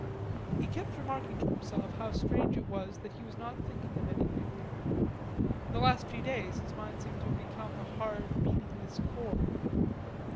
He kept remarking to himself how strange it was that he was not thinking of anything. In the last few days his mind seemed to have become a hard meaningless core.